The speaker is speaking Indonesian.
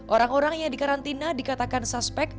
orang orang yang dikarantina dikatakan suspek